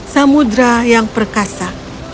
samudera yang perkasa